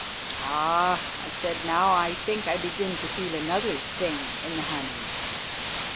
"Ah!" I said, "now I think I begin to feel another sting in the honey."